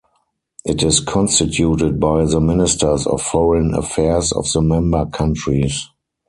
It is constituted by the Ministers of Foreign Affairs of the member countries.